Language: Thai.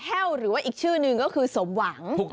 ้วหรือว่าอีกชื่อหนึ่งก็คือสมหวัง